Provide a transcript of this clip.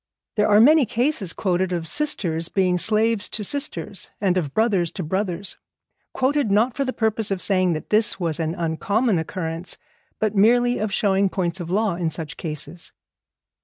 There are many cases quoted of sisters being slaves to sisters, and of brothers to brothers, quoted not for the purpose of saying that this was an uncommon occurrence, but merely of showing points of law in such cases.